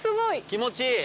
気持ちいい！